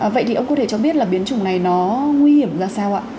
vậy thì ông có thể cho biết là biến chủng này nó nguy hiểm ra sao ạ